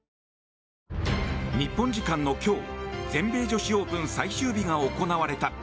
日本時間の今日全米女子オープン最終日が行われた。